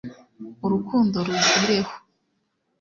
Urukundo ruzireho